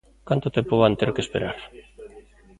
¿Canto tempo van ter que esperar?